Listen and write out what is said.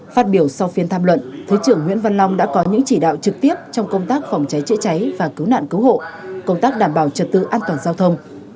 phát biểu sau phiên tham luận thứ trưởng nguyễn văn long đã có những chỉ đạo trực tiếp trong công tác phòng cháy chữa cháy và cứu nạn cứu hộ công tác đảm bảo trật tự an toàn giao thông